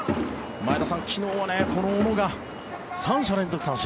前田さん、昨日はこの小野が３者連続三振。